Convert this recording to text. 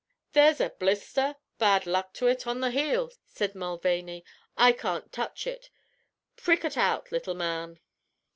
"There's a blister bad luck to ut! on the heel," said Mulvaney. "I can't touch it. Prick ut out, little man."